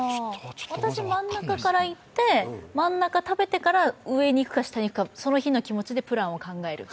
私、真ん中からいって、真ん中食べてから上にいくか下にいくか、その日の気分でプランを考える。